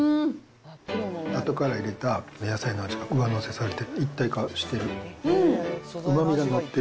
あとから入れたお野菜の味が上乗せされて一体化してる。